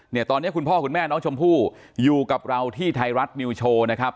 เนี่ยตอนนี้คุณพ่อคุณแม่น้องชมพู่อยู่กับเราที่ไทยรัฐนิวโชว์นะครับ